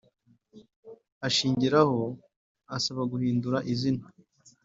Ashingiraho asaba guhindura izina